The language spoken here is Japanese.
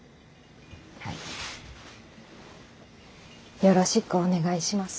よろしくお願いします。